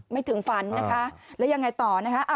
ถึงฝันนะคะแล้วยังไงต่อนะคะ